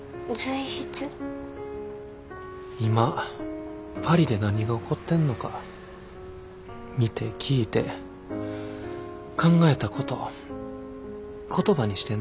今パリで何が起こってんのか見て聞いて考えたこと言葉にしてんねん。